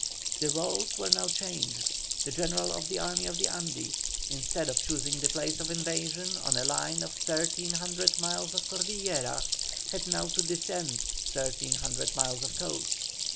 The rôles were now changed; the general of the Army of the Andes, instead of choosing the place of invasion on a line of 1,300 miles of Cordillera, had now to defend 1,300 miles of coast.